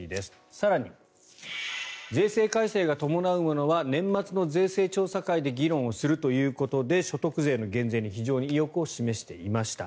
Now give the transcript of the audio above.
更に、税制改正が伴うものは年末の税制調査会で議論するということで所得税の減税に非常に意欲を示していました。